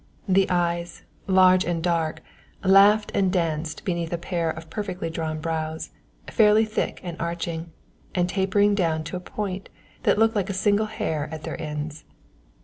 The eyes, large and dark, laughed and danced beneath a pair of perfectly drawn brows, fairly thick and arching, and tapering down to a point that looked like a single hair at their ends.